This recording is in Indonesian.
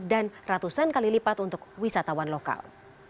dan ratusan kali lipat untuk wisatawan lokal